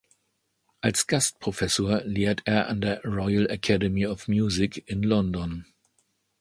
Als Gastprofessor lehrt er an der Royal Academy of Music in London.